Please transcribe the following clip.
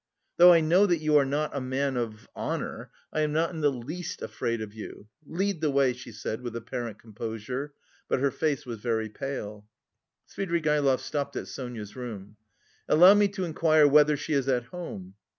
"Though I know that you are not a man... of honour, I am not in the least afraid of you. Lead the way," she said with apparent composure, but her face was very pale. Svidrigaïlov stopped at Sonia's room. "Allow me to inquire whether she is at home....